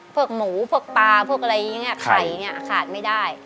พวกหมูพวกปลาพวกอะไรอย่างนี้ไข่เนี่ยขาดไม่ได้